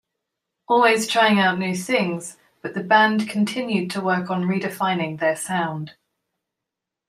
Always trying out new things, but the band continued to work on redefining their sound.